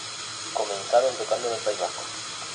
Comenzaron tocando en el País Vasco.